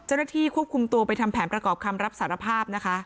เจ้าหน้าที่ควบคุมตัวไปทำแผนประกอบคำรับสารภาพนะคะ